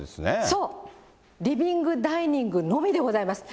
そう、リビング・ダイニングのみでございます。